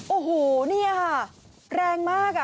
โอ้โหนี่ค่ะแรงมาก